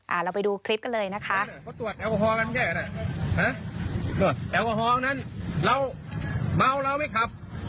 เราไปดูคลิปกันเลยนะคะ